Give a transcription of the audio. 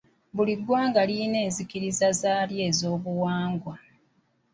Buli ggwanga lirina enzikiriza zaalyo z'obuwangwa.